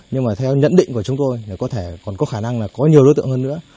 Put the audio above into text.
nhưng mà theo nhận định của chúng tôi có thể còn có khả năng là có nhiều đối tượng hơn nữa